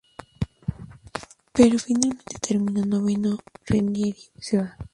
Pero finalmente termina noveno y Ranieri se va.